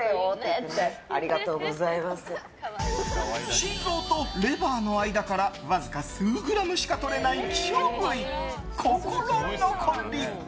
心臓とレバーの間からわずか数グラムしか取れない希少部位、心のこり。